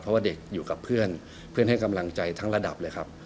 เพราะว่าเด็กอยู่กับเพื่อนเพื่อนให้กำลังใจทั้งระดับเลยครับ